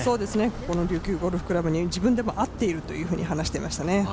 この琉球ゴルフ倶楽部自分でも合っているというふうに話していましたね。